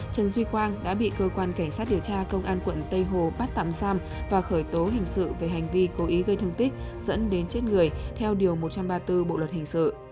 trần duy quang đã bị cơ quan cảnh sát điều tra công an quận tây hồ bắt tạm giam và khởi tố hình sự về hành vi cố ý gây thương tích dẫn đến chết người theo điều một trăm ba mươi bốn bộ luật hình sự